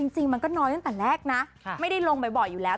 จริงมันก็น้อยตั้งแต่แรกนะไม่ได้ลงบ่อยอยู่แล้ว